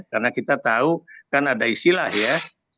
karena kita tahu kan ada istilah ya